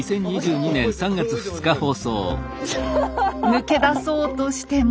抜け出そうとしても。